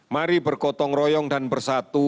mari bergotong royong dan bersatu